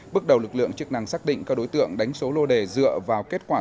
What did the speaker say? bước đầu lực lượng chức năng xác định các đối tượng đánh số lô đề dựa vào kết quả